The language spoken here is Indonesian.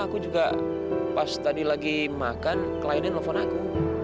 aku juga pas tadi lagi makan kliennya nelfon aku